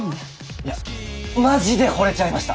いやマジで惚れちゃいました。